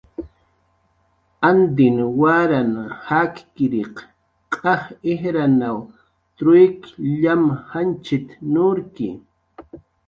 "Antin waran jakkiriq q'aj ijrnaw truik llam janchit"" nurki"